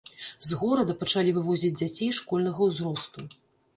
З горада пачалі вывозіць дзяцей школьнага ўзросту.